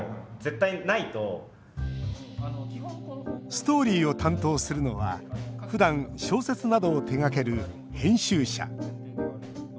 ストーリーを担当するのはふだん小説などを手がける編集者。